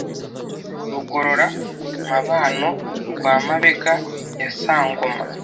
Rugorora-mabano rwa Mabega ya Sangoma